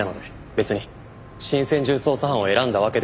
別に新専従捜査班を選んだわけではありません。